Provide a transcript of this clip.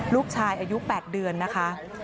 ลูกชายอายุ๘เดือนนะคะ